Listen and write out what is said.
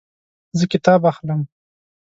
زه کتاب اخلم